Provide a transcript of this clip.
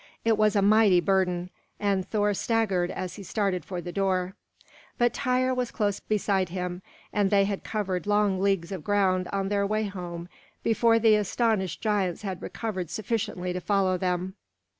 It was a mighty burden, and Thor staggered as he started for the door; but Tŷr was close beside him, and they had covered long leagues of ground on their way home before the astonished giants had recovered sufficiently to follow them.